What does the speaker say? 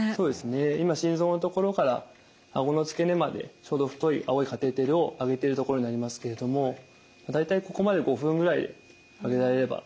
今心臓の所からあごの付け根までちょうど太い青いカテーテルを上げてるところになりますけれども大体ここまで５分ぐらい上げられればとふだん考えております。